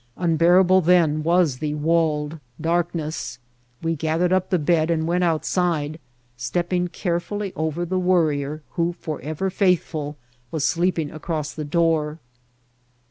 Unbearable then was the walled darkness. We gathered up the bed and went outside, stepping carefully over the Wor rier who, forever faithful, was sleeping across the door.